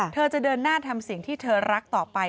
เธอจะเดินหน้าทำสิ่งที่เธอรักต่อไป